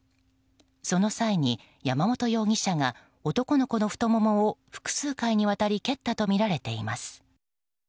その際に、山本容疑者が男の子の太ももを複数回にわたり蹴ったとみられています。